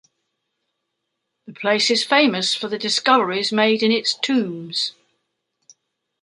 The place is famous for the discoveries made in its tombs.